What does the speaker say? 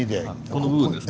この部分ですか？